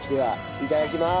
いただきます。